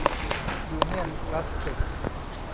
ยูเนี่ยนพลาสติก